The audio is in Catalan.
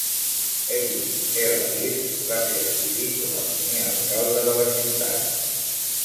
Edwin L. Dirck va ser escollit com a primer alcalde de la ciutat.